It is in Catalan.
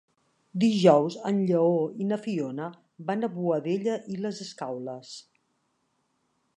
Dijous en Lleó i na Fiona van a Boadella i les Escaules.